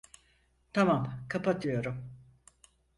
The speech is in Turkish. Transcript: Tamam, kapatıyorum.